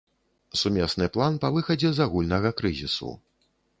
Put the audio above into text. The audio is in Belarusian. Сумесны план па выхадзе з агульнага крызісу.